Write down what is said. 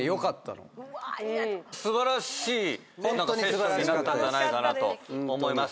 素晴らしいセッションになったんじゃないかなと思います。